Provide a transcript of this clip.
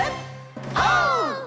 オー！